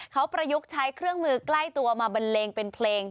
เขาประยุกต์ใช้เครื่องมือใกล้ตัวมาบันเลงเป็นเพลง